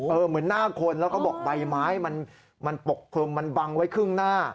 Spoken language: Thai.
เออเหมือนหน้าคนแล้วก็บอกใบไม้มันบังไว้ครึ่งหน้า